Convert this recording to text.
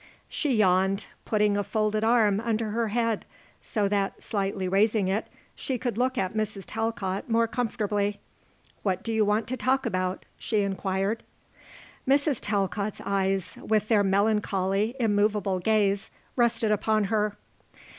She yawned, putting a folded arm under her head so that, slightly raising it, she could look at Mrs. Talcott more comfortably. "What do you want to talk about?" she inquired. Mrs. Talcott's eyes, with their melancholy, immovable gaze, rested upon her.